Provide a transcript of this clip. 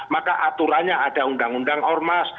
maka aturannya ada undang undang ormas